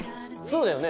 そうだよね